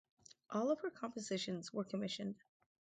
All of her compositions were commissioned.